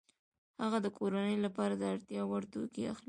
هغه د کورنۍ لپاره د اړتیا وړ توکي اخلي